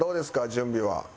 準備は。